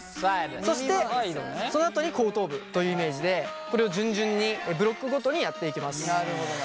そしてそのあとに後頭部というイメージでこれを順々にブロックごとにやっていきます。